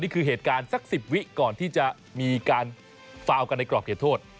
เหตุการณ์สัก๑๐วิก่อนที่จะมีการฟาวกันในกรอบเขตโทษ